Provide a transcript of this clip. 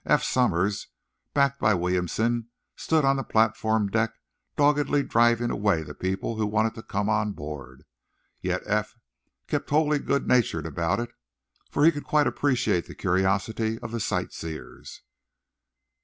Eph Somers, backed by Williamson, stood on the platform deck, doggedly driving away people who wanted to come on board. Yet Eph kept wholly good natured about it, for he could quite appreciate the curiosity of the sight seers.